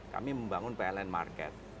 kami membangun pln market